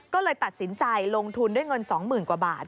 ก็เลยตัดสินใจลงทุนด้วยเงิน๒๐๐๐กว่าบาท